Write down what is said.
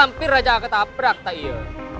hampir aja ketabrak tak iya